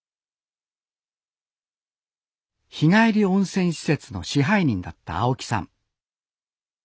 日帰り温泉施設の支配人だった青木さん。